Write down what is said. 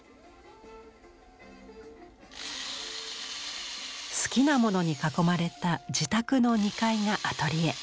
好きなものに囲まれた自宅の２階がアトリエ。